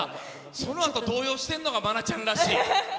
そのあと動揺してんのが愛菜ちゃんらしい。